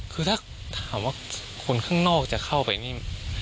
คือถ้าถามว่าคนข้างนอกจะเข้าไปนี่